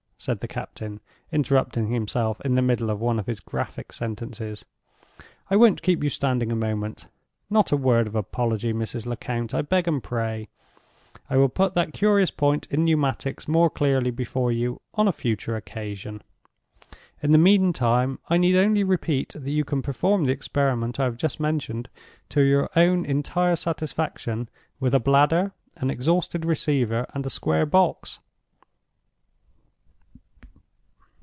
said the captain, interrupting himself in the middle of one of his graphic sentences. "I won't keep you standing a moment. Not a word of apology, Mrs. Lecount, I beg and pray! I will put that curious point in Pneumatics more clearly before you on a future occasion. In the meantime I need only repeat that you can perform the experiment I have just mentioned to your own entire satisfaction with a bladder, an exhausted receiver, and a square box.